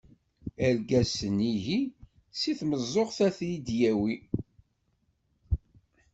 Argaz sennig-i, si tmeẓẓuɣt ad yi-yawi.